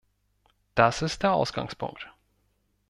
Das ist der Ausgangspunkt.